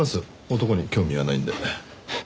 男に興味はないんで。